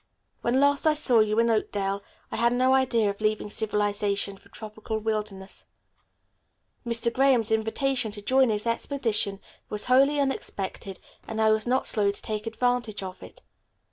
When last I saw you in Oakdale I had no idea of leaving civilization for tropical wildernesses. Mr. Graham's invitation to join his expedition was wholly unexpected, and I was not slow to take advantage of it.